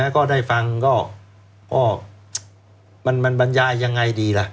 ก็ได้ฟังก็มันบรรยายยังไงดีล่ะ